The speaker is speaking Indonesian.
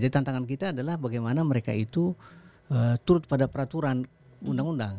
jadi tantangan kita adalah bagaimana mereka itu turut pada peraturan undang undang